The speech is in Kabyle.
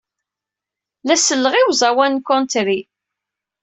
La selleɣ i uẓawan n country.